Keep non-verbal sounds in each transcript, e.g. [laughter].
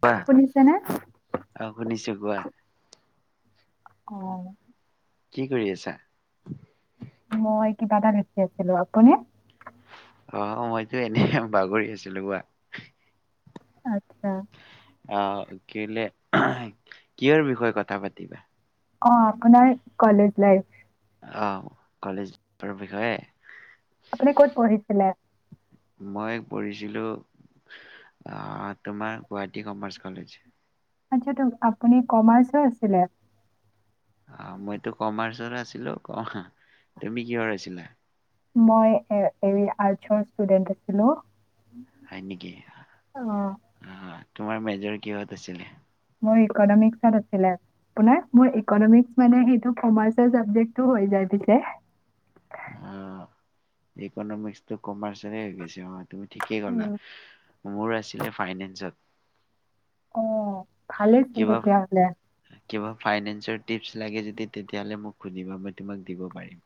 কোৱা শুনিছেনে? আহ শুনিছো কোৱা অ কি কৰি আছা মই কিবাটা লিখি আছিলো আপুনি অ মইতো এনে বাগৰি আছিলো কোৱা আত্ছা আহ কেলে কিহৰ বিষয়ে কথা পাতিবা অ আপোনাৰ কলেজ লাইফ আহ কলেজৰ বিষয়ে আপুনি ক'ত পঢ়িছিলে মই পঢ়িছিলো আহ তোমাৰ গুৱাহাটী কমাৰ্চ কলেজ আচ্ছা আপুনি কমাৰ্চৰ আছিলে অ মইতো কমাৰছ আছিলো ক তুমি কিহৰ আছিলা মই এ এ আৰ্টচৰ ষ্টোডেন্ত আছিলো হয় নেকি অহ অ তোমাৰ মেজৰ কিহত আছিলে মোৰ ইকনমিকসত আছিলে তোমাৰ মোৰ ইকনমিক্স মানে সেইটো কমাৰ্ছৰ চাবজেক্টো হৈ যায় পিছে অ ইকনমিক্সটো কমাৰ্চৰে বেছি হয় তুমি ঠিকে কলা উম, মোৰ আছিলে ফাইনেন্সত অ ভালেইচোন কিবা তেতিয়াহ'লে। কিবা ফাইনেন্সৰ টিপছ লাগে যদি তেতিয়া হলে মোক সুধিবা মই তোমাক দিব পাৰিম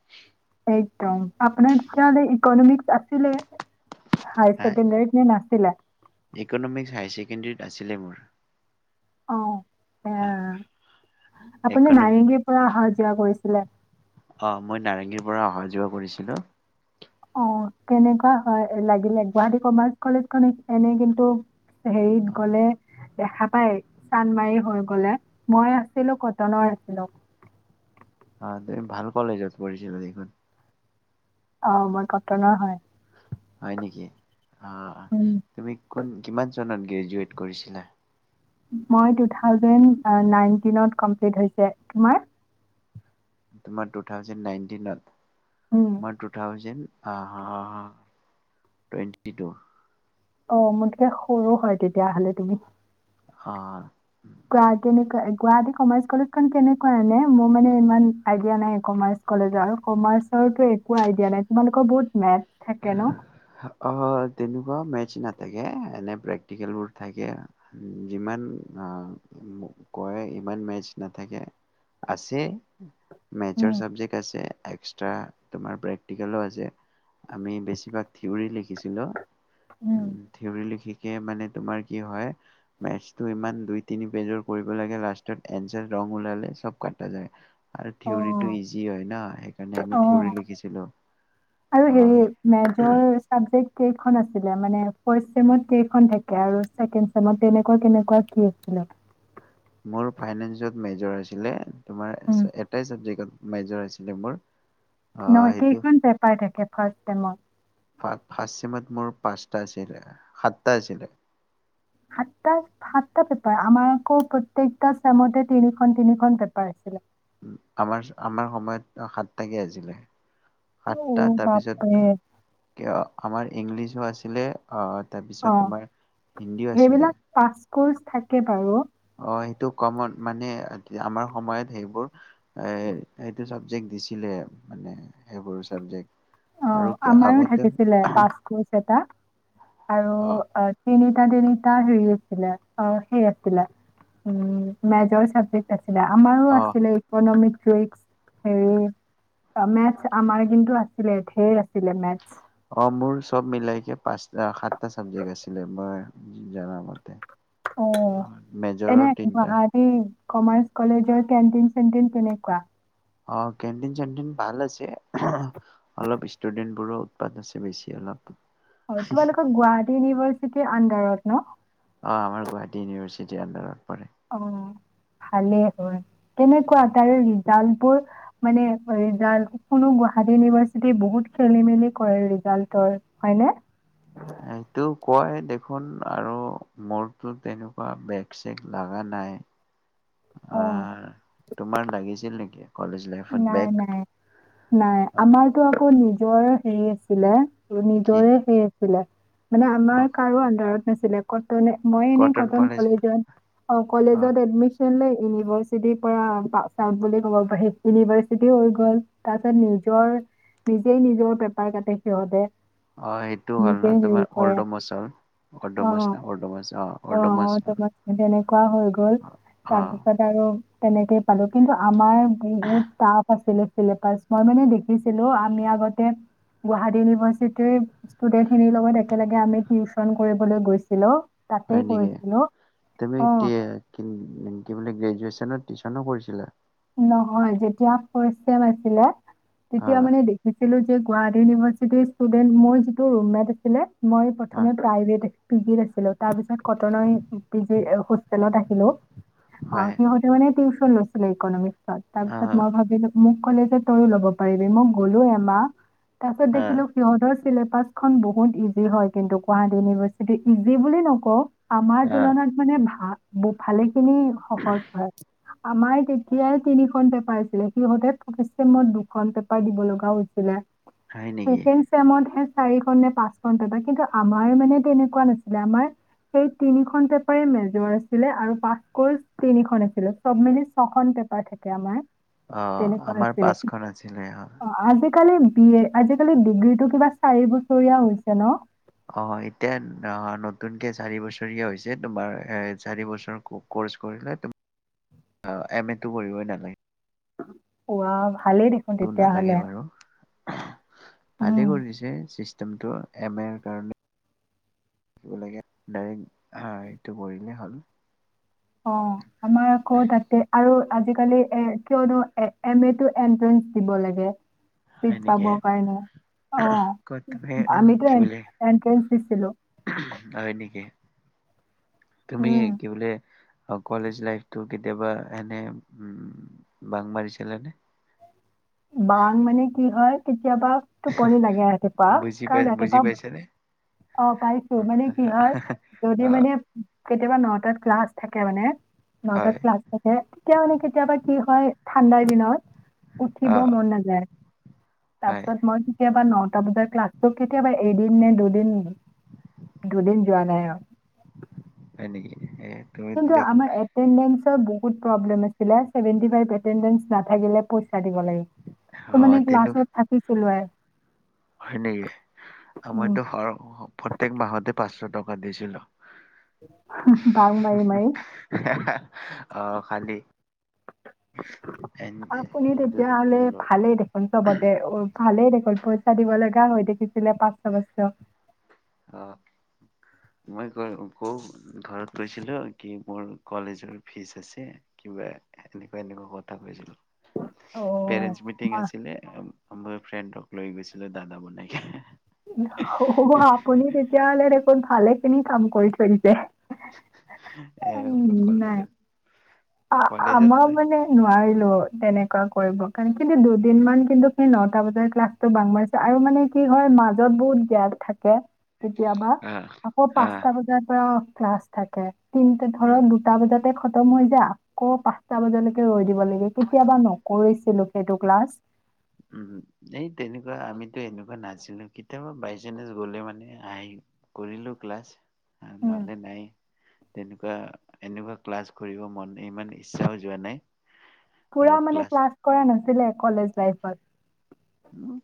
একদম আপোনাৰাহাললে ইকনমিক্ আছিলে হায় হা ছেকেণ্ডাৰীত নে নাছিলে কেণ্ডেৰীত আছিলে মোৰ অহ এ হা আপুনি ইকনমি নাৰেংগীৰ পৰা অহা যোৱা কৰিছিলে অ মই নাৰেংগীৰ পৰা অহা যোৱা কৰিছিলো অ কেনেকুৱা হয় লাগিলে গুৱাহাটী কমাৰ্চ কলেজ খনএনেই কিন্তু হেৰিত গলে দেখা পায় চান্মাৰি হৈ গলে মই আছিলো কটনৰ আছিলো অ তুমি ভাল কলেজত পঢ়িছিলা দেখোন অ মই কটনৰ হয় হয় নেকি অ উম, তুমি কোন কিমান গ্ৰেজুৱট কৰিছিলা মই তু থাউজেণ্ড নাইনতিনত কমপ্লিট হৈছে তোমাৰ তোমাৰ টু থাউজেণ্ড নাইনটিনত উম। মই টুথাউজেণ্ড অ টুৱেণ্টি টু অ মোৰকে সৰু হয় তেতিয়াহলে তুমি অ কেনেকোৱা গুৱাহাটী কমাৰ্চ কলেজ কেনেকুৱা আনে মোৰ মানে ইমান আইডিয়া নাই কমাৰ্চ কলেজৰ কমাৰ্চো একো আইডিয়া নাই তোমালোকৰ বহুত মেথ থাকে ন? অ তেনেকোৱা ম এ প্ৰে্টিকেলোৰ থাকে যিমান কয় ইমান মেচ নাথাকে আছে মেজৰ উম, চাবজেক্ট আছে এক তাৰ পৰা প্ৰেক্টিকেলও আছে আমি বেছিভাগ থিয়ৰী লিখিছিলো উম, থিউৰি লিখি মানে তোমাৰ কি হয়, মেথ্ছ ইমান দুই তিনি পেজৰ কৰিব লাগে লাষ্টত এঞ্চাৰ ৰঙ ওলালে চব কটা যায়। আৰু থিউৰিটো অ', ইজি ইজি হয় ন সেকাৰণে আমি অ'। থিউৰি লিখিছিলো। আৰু মেজৰ চাবজেক্ট কেইখন আছিলে। মানে ফৰ্ত চেমত কেইখন থাকে আৰু ছেকেন্ড চেমত তেনেকুৱা কেনেকুৱা কি আছিলে। মোৰ ফাইনেন্সত মেজৰ আছিলে। তোমাৰ উম, এটাই চাবজেক্টত? মেজৰ আছিলে মোৰ নহ আহ সেইটো কেইখন পেপাৰ থাকে ফাৰ্ষ্ট টাইমত ফাৰ্ষ্ট ছেমত মোৰ পাঁচটা আছিলে সাতটা আছিলে সাত সাতটা পেপাৰ আমাৰ আকৌ প্ৰত্যেকটা চেমতে তিনিখন তিনিখন পেপাৰ আছিলে। আমাৰ আমাৰ সময়ত সাতটাকে আছিলে। সাতটা অ', বাপৰে তাৰপিছত কিয়, আমাৰ ইংলিছো আছিলে। তাৰপিছত অঁ তোমাৰ হিন্দীও সেইবিলাক পাছ ক থাকে বাৰু, অঁ সেইটো কমন মানে আমাৰ সময়ত সেইবোৰ এ টো চাবজেক্ট দিছিলে মানে সেইবোৰ চাবজেক্ট অঁ আৰু আমাৰো আগতে থাকিছিলে পাঁচ কচ এটা আৰু অ তিনি তিনিতা তিনিতা হাৰি আছিলে আছিলে উম মেজৰ চাবজেক্ট আছিলে। আমাৰো অ আছিলে ইকনমিক ম আমাৰ কিন্তু আছে আছিলে ধৈৰ আছিলে মেথছ। অঁ মোৰ চব মিলাইকে পাঁচ সাতটা চাবজেক্ট আছিলে মই জনা মতে, অঁ এনে গুৱাহাটীৰ কমাৰ্চ কলেজৰ কেণ্টিন-চেণ্টিন কেনেকুৱা? অ' কেণ্টিন-চেণ্টিন ভাল আছে অলপ ষ্টুডেন্ট বোৰো উৎপাত আছে বেছি অলপ। হয়, তোমালোকৰ গুৱাহাটী ইউনিভাৰ্চিটিৰ আণ্ডাৰত হা [unintelligible] অ' আমাৰ গুৱাহাটী ইউনিভাৰ্চিটিৰ আনডাৰত পৰে। অ' ভালেই হয়। তেনেকুৱা তাৰে ৰিজাল্ট মানে ৰিজাল্ট কোনো গুৱাহাটী ইউনিভাৰ্চিটিৰ বহুত খেলি-মেলি কৰে ৰিজালটৰ হয়নে? এইটো কয় দেখোন আৰু মোৰতো তেনেকুৱা বেগ-চেগ লাগা নাই। অ' তোমাৰ লাগিছিল নেকি? কলেজ লাইফত বেগ? নাই-নাই-নাই, আমাৰতো আকৌ নিজ মই হেৰি আছিলে। কি নিদৰে ফে আ। চ মানে অ আমাৰ কাৰো আন্ধাৰত। নছিলে, ক মই এনে কটন কলেজত অ' কলেজত এডমিন ল ইউনিভাৰ্চিটিৰ পৰা বুলি ক'ব পাৰি। ইউনিভাৰ্চিটি হৈ গ'ল। তাৰ পিছত নিজৰ নিজেই নিজৰ পেপাৰ কাটে সিহঁতে, অ এইটো হ'ল ন নিজেই তোমাৰ। হেৰি কৰে অ অ তাৰপা তেনেকুৱা হৈ গ'ল। তাৰপিছত আৰু তেনেকেই পালো, কিন্তু আমাৰ বহুত টাফ আছিলে মই মানে দেখিছিলো আমি আগতে গুৱাহাটী ইউনিভাৰ্চিটিৰ ষ্টুডেন্ট খিনিৰ লগত একেলগে আমি টিউচন কৰিবলৈ গৈছিলো তাতে হয় নেকি, কৰিছিলো তুমি অ কি কি বুলি গ্ৰেজুৱেচনত টিউশনো কৰিছিলা নেকি? নহয় যেতিয়া ফাৰ্ষ্ট চেম আছিলে অ তেতিয়া মানে দেখিছিলো গুৱাহাটী ইউনিভাৰ্চিটিৰ ষ্টুডেণ্ট, মোৰ যিটো ৰুমমেট আছিলে মই অ প্ৰথমে প্ৰাইভেট পি জিত আছিলো তাৰ পিছত কতনৰ সেই পি জি সেই হোষ্টেলত আহিলো, অহ হয় সিহঁতে মানে কি নাছিলে ইকনমিক তাৰ অ পিছত মই ভাবিলো মোক ক'লে যে তয়ো ল'ব পাৰিবি, মই গ'লো এমাহ তাৰ পছত অ দেখিলো, সিহতৰ ছিলেবাছখন বহুত ইজি হয় কিন্তু গুৱাহাটী ইউনিভাৰ্চিটি, ইজি বুলি নকওঁ আমাৰ অ তুলনাত মানে ভাল বো ভালেই খিনি সহজ হয়। আমাৰ কি সেয়াই তিনিখন পেপাৰ আছিলে সিহঁতে চেমত দুখন পেপাৰ দিব লগা হৈছিলে। হয় নেকি? কোন চমত হে চাৰিখন নে পাঁচখন পেপা, কিন্তু আমাৰ মানে তেনেকুৱা নাছিলে আমাৰ সেই তিনিখন পেপাৰে মেজৰ আছিলে আৰু পাচ ৰ্কচ তিনিখন আছিলে চব মিলি চ পেপাৰ থাকে আমাৰ অ তেনেকুৱা আমাৰ আছিলে। পাচখন আছিলে হয়। অ' আজিকালি বি এ, আজিকালি ডিগ্ৰী টো কিবা চাৰি বছৰীয়া হৈছে ন? অ এতিয়া নতুনকে চাৰি বছৰীয়া হৈছে তোমাৰ চাৰি বছৰ ৰ্কচ কৰিলে, এম এটো কৰিবা নালাগে। উোৱা নালাগে বাৰু, ভালে উম, কৰি দিছে চি যোনটো এম এ কাৰণে, ডাইৰেক্ট হা ইতো কৰিলেই হ'ল। অ আমাৰ আকৌ তাতে, আৰু আজিকালি এ কিয়নো এ-এ এমতো এন্ট্ৰেঞ্চ দিব লাগে চিট হয় নেকি পাব কাৰণে অ, ক'ত তুমি অ আমিতো কি বোলে এন-এনট্ৰেঞ্চ দিছিলো। হয় নেকি তুমি কি বোলে অ কলেজ লাইফটোত কেতিয়াবা এনে উম বাংক মাৰিছিলা নে? বা মানে কি হয় কি। কেতিয়াবা টোপনি লাগে ৰাতিপুৱা বুজি পাই কাৰণ বুজি ৰাতিপুৱা পাইছানে অ পাইছো মানে কি হয় অ যদি মানে কেতিয়াবা নটাত ক্লাছ। থাকে মানে। নটাত হয় ক্লাছ থাকে তেতিয়া মানে কেতিয়াবা কি হয় ঠাণ্ডা। দিনত। উঠিব অ মন নাযায় তাৰ হয় পিছত মই কেতিয়াবা ন টা বজাত ক্লাছ। ত' কেতিয়াবা এদিন নে দুদিন দুদিন যোৱা নাই আৰু। হয় নেকি এ। তুমিতো কিন্তু দেখোন আমাৰ এটেন্ডেন্ট। ছৰ বহুত প্ৰব্লেম আছিলে ছেভেনটি ফাইভ এটেনটেন্দছ নাথাকিলে। দিব লাগে ত অ মানে তেনো ক্লাছত থাকিছিলো এ। হয় নেকি উম, আমাৰটো প্ৰত্যেক মাহতে পাঁচশ টকা। ত দিছিলোঁ। বাং মাৰি মাৰি। আহ খালি এনে আপুনি সেইটো। তেতিয়াহ'লে ভালেই দেখোন চবতে অ' ভালেই পইচা দিব লগা হৈ থাকিছিলে পাঁচশ পাঁচশ। অ মই ক কও ঘৰত কৈছিলো কি মোৰ কলেজৰ ফিজ আছে কিবা এনেকুৱা এনেুৱা কথা কৈছিলো। অ' পেৰেণ্ট মিটিং বাহ আছিলে। মোৰ ফ্ৰেণ্ডক লৈ গৈছিলো দাদা বনাই। অ আপুনি তেতি। তেতিয়া হলেদেখোন ভালেখিনি কাম কৰিছে তেন্তে। এ কলেজত। অ কলেজত আমাৰ মনেে নোৱাৰিলো। তেনেকুৱা কৰিব কাৰণ কিন্তু দুদিন মান কিন্তু সেই নটা বজাৰ ক্লাছটো বাং মাৰিছো আৰু মানে কি হয় মাজত বহুত গেভ থাকে। কেতিয়াবা আহ আকৌ আহ পাঁচটা বজাৰ পৰা। ক্লাছ থাকে। তিনটা উম ধৰক দুটা বজাতে ত মই যা ক পাঁচটা বজালৈকে ৰৈ, দিবলাগে কেতিয়াবা নকৰিছিলোঁ। সেইটো ক্লাছ উ এই তেনেকুৱা আমিতো এনেকুৱা নাছিলো কেতিয়াবা বাই চাঞ্চ গলে মানে আহি কৰিলো ক্লাছ, উম নহলে নাই তেনেকুৱা এনেকুৱা ক্লাছ কৰিব মন ইমান ইচ্ছাও যোৱা নাই, পোৰা মানে ক্লাছ কৰা নাছিলে কলেজ লাইফত-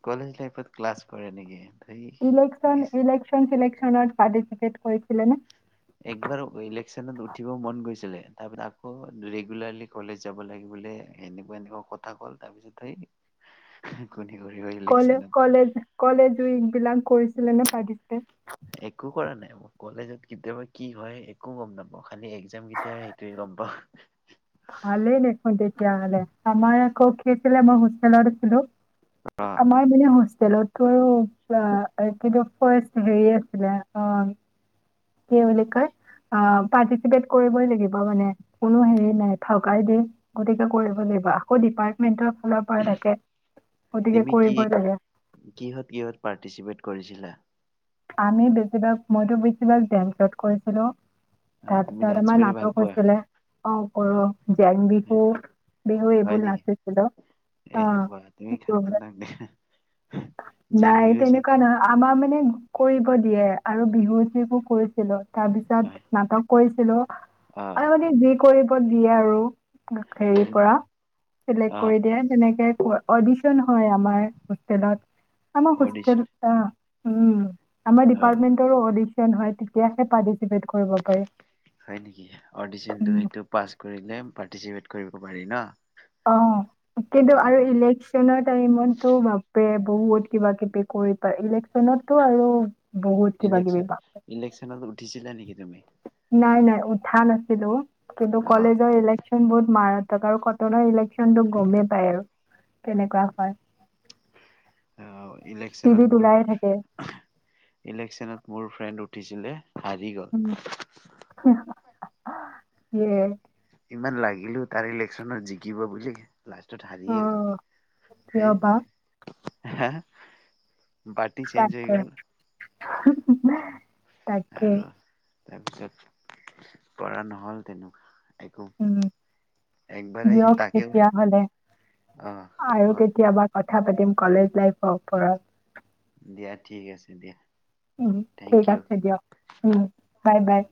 কলেজ লাইফত ক্লাছ কৰে নেকি? ধেই ইলেক্সন, ইচ, ইলেক্সন ফিলেক্সনত পাৰ্টিচিপেট কৰি ছিলে নে? একবাৰ ইলেক্সনত উঠিব মন গৈছিলে। তাৰমানে আকৌ, ৰেগুলাৰলি কলেজ যাব লাগে বোলে, এনেকুৱা এনেকুৱা কথা ক'লে তাৰ পিছত সেই কোনে কৰিব কলেজ, ইলেকচনত কলেজ, কলেজৱিক বিলাক কৰিছিলে নে? পাৰ্টিচিপেট, একো কৰা নাই। কলেজত কেতিয়াবা কি হয়, একো গম নাপাওঁ। খালি এক্সাম কেতিয়া হয়, সেইটোহে গম পাওঁ। ভালেই দেখোন তেতিয়াহ'লে। আমাৰ আকৌ কি হৈছিলে, মই হোষ্টেলত আছিলোঁ। অ আমাৰ মানে হোষ্ট তেলতো আৰু, [unintelligible] কি বুলি কয়, পাৰ্টিচিপেট কৰিবই লাগিব মানে, কোনো হেৰি নাই, ‌ [unintelligible] দিয়ে, গতিকে কৰিব লাগিব, আকৌ ডিপাৰ্টমেন্টৰ ফালৰ পৰা থাকে গতিকে তুমি কি, কৰিবই লাগে কিহঁত কিহঁত পাৰ্টিচিপেট কৰিছিলা? আমি বেছিভাগ, মইতো বেছিভাগ, গেমছত কৰিছিলোঁ। আহ তুমি তাৰপিছত ডান্স আমাৰ কৰি ভাল নাটক পোৱা হৈছিলে, অ কৰোঁ, জেং বিহু, বিহু হয় এইবোৰ নেকি নাচিছিলো, এ অ'হ বা তুমি খাতৰনাক দেখা। জেং নাই, বিহু চেং তেনেকুৱা নহয়, আমাৰ মানে কৰিব দিয়ে, আৰু বিহু যিবোৰ কৰিছিলো। তাৰ হয় পিছত নাটক কৰিছিলোঁ অ আৰু মানে যি কৰিব দিয়ে আৰু। হেৰিৰ পৰা, চিলেক্ট অ কৰি দিয়ে, তেনেকে অডিছন হয়, আমাৰ হোষ্টেলত, আমাৰ অডিচন হোষ্টেল উম! আমাৰ অ ডিপাৰ্টমেণ্টৰো‍ঁ অডি হয়, তেতিয়াহে পাৰ্টি হয় নিকি? অডিছনটো উম। সেইটো পাছ কৰিলে, পাৰ্টিচিপেট কৰিব পাৰি ন? অ, কিন্তু অ আৰু ইলেকচনৰ টাইমতো বাপৰে বহুত কিবা কিবি কৰি পায়, ইলেকছনতো আৰু বহুত কিবা ইলেক্ছন, ইলেকছনত উঠিছিলা নেকি? তুমি নাই‌ নাই উঠা নাছিলো। কিন্তু অ কলেজৰ ইলেকছন বহুত মাৰা আৰু কটনৰ ইলেকছনটো গমেই পায় আৰু কেনেকুৱা হয় [unintelligible] অঁ ইলেকছনত টিভিত মোৰ, ওলায়ে থাকে। ইলেকছনত মোৰ ফ্ৰেণ্ড উঠিছিলে। হাৰি গ'ল উম [unintelligible] য়ে ইমান লাগিলো তাৰ ইলেকশ্যনত জিকিব বুলি লাষ্টত হাৰিয়ে গল অ' কিয় বা সেই হা পাৰ্টি চেঞ্জ হৈ তাকে গ'ল তাকে আৰু তাৰপিছত পঢ়া নহল তেনেকুৱা একো উম, একবাৰে দিয়ক তাকে তেতিয়া হলে অ আৰু হ'ল কেতিয়াবা ক কথা পাতিম কলেজ লাইফৰ ওপৰত দিয়া ঠিক আছে দিয়া উম থেংক ঠিক ইউ আছে দিয়ক উম বাই বাই